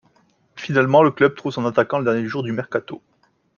Finalement, le club trouve son attaquant le dernier jour du mercato.